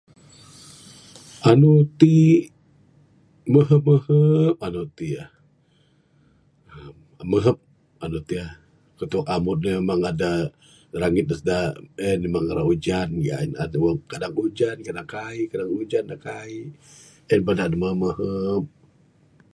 Anu ti, meheb meheb anu ti uhh meheb anu ti uhh ku tubek ambun eh rangit eh meng Ra ujan gayen ne, ra ujan kadang kaik ra ujan ra kaik en bada ne meheb meheb